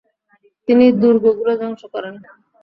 তিনি দুর্গগুলো ধ্বংস করেন।